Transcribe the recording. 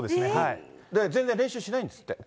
全然練習しないんですって。